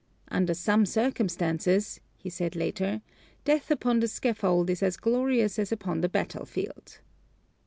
"Under some circumstances," he said later, "death upon the scaffold is as glorious as upon the battlefield."